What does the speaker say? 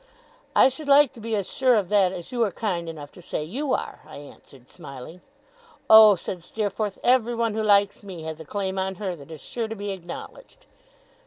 'I should like to be as sure of that, as you are kind enough to say you are,' I answered, smiling. 'Oh!' said Steerforth, 'everyone who likes me, has a claim on her that is sure to be acknowledged.